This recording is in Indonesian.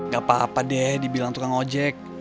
gapapa deh dibilang tukang ojek